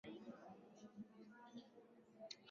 Pwani na Bara mwaka elfumoja miatisa na kumi